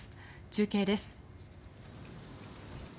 中継です。